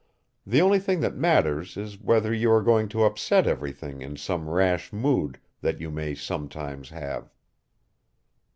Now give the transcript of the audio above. The only thing that matters is whether you are going to upset everything in some rash mood that you may sometime have."